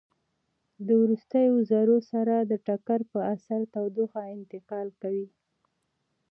د وروستیو ذرو سره د ټکر په اثر تودوخه انتقال کوي.